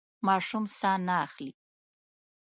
ماشوم ساه نه اخلي.